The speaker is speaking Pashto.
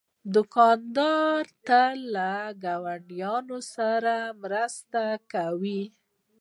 دوکاندار تل له ګاونډیانو سره مرسته کوي.